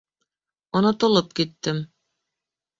Онотолоп киттем...